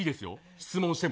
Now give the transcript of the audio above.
質問しても？